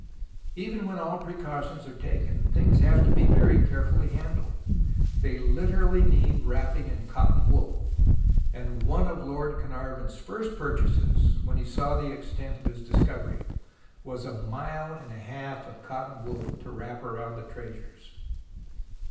Even when all precautions are taken, things have to be very carefully handled. They literally need wrapping in cotton wool, and one of Lord Carnar von's first purchases, when he saw the extent of his discovery, was a mile and a half of cotton wool to wrap round the treasures.